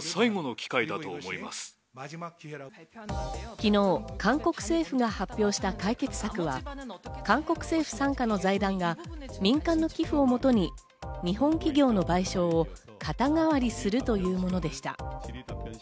昨日、韓国政府が発表した解決策は、韓国政府傘下の財団が民間の寄付をもとに、日本企業の賠償を肩代わりするというものでした。